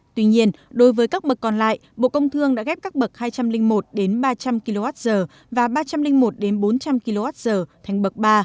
tuy nhiên đối với các bậc còn lại bộ công thương đã ghép các bậc hai trăm linh một đến ba trăm linh kwh và ba trăm linh một bốn trăm linh kwh thành bậc ba